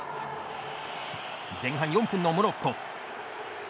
前半４分のモロッコ。